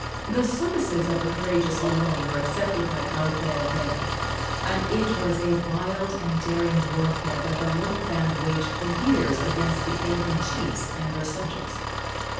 The services of the courageous alone were accepted by Kaupeepee, and it was a wild and daring warfare that the little band waged for years against the alien chiefs and their subjects.